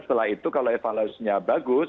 setelah itu kalau evaluasinya bagus